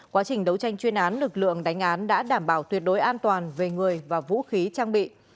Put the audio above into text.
quá trình đấu tranh chuyên án lực lượng đánh án đã đảm bảo tuyệt đối an toàn về người và vũ khí trang bị